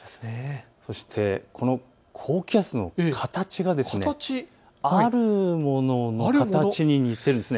そしてこの高気圧の形があるものの形に似ているんです。